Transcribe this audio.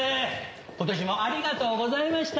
今年もありがとうございました。